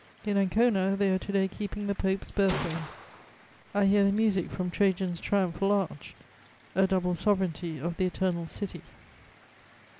In Ancona they are to day keeping the Pope's birthday; I hear the music from Trajan's triumphal arch: a double sovereignty of the Eternal City."